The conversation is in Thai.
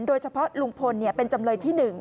โดยเฉพาะลุงพลเนี่ยเป็นจำเลยที่หนึ่ง